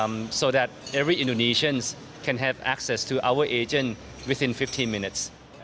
agar setiap orang indonesia dapat menggunakan agen kami dalam lima belas menit